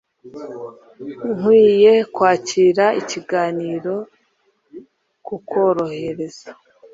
Nkwiye kwakira ikiganiro kukworohereza